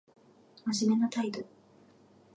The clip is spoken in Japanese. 真面目な態度